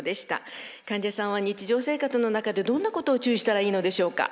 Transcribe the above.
患者さんは日常生活の中でどんなことを注意したらいいのでしょうか？